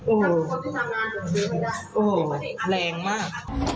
โอ้โฮแรงมาก